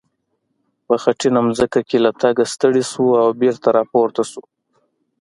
په خټینه ځمکه کې له تګه ستړی شو او بېرته را پورته شو.